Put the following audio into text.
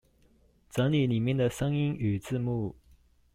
整理裡面的聲音與字幕